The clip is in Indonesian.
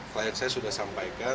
klien saya sudah sampaikan